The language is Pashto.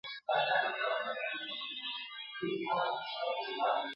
نو دي رنځ د ولادت درته آسان وي !.